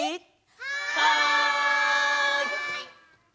はい！